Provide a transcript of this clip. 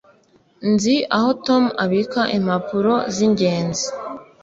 Nzi aho Tom abika impapuro zingenzi.